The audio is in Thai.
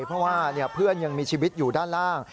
เพราะว่าเพื่อนยังมีชีวิตอยู่ด้านล่าง